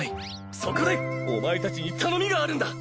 そこでお前たちに頼みがあるんだ。